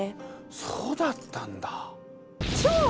そうだったんだ。